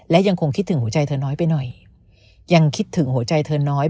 และยังคงคิดถึงหัวใจเธอน้อยไปหน่อยยังคิดถึงหัวใจเธอน้อย